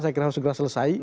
saya kira harus segera selesai